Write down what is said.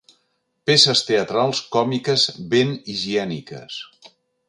Peces teatrals còmiques ben higièniques.